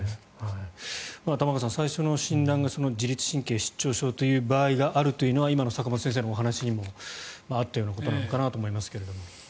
玉川さん、最初の診断が自律神経失調症という場合があるというのは今の坂元先生のお話にもあったようなことなのかなと思いますが。